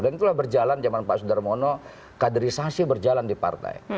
itulah berjalan zaman pak sudarmono kaderisasi berjalan di partai